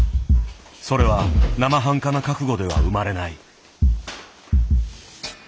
それは生半可な覚悟では生まれない。